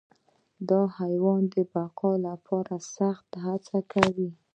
دا حیوان د بقا لپاره سخت هڅه کوي.